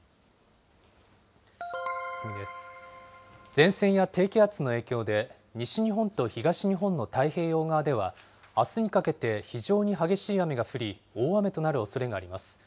前線や低気圧の影響で、西日本と東日本の太平洋側では、あすにかけて非常に激しい雨が降り、大雨となるおそれがあります。